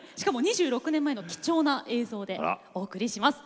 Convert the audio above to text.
２６年前の貴重な映像でお送りします。